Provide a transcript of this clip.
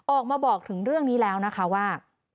ออกมาบอกถึงเรื่องนี้แล้วนะคะว่า